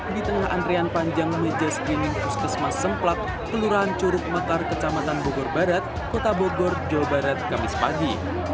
di tengah antrian panjang meja screening puskesmas semplak kelurahan curug mekar kecamatan bogor barat kota bogor jawa barat kamis pagi